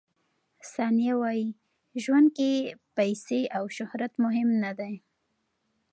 ثانیه وايي، ژوند کې پیسې او شهرت مهم نه دي.